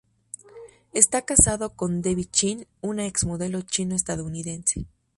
Está casado con Debbie Chin, una ex-modelo chino-estadounidense.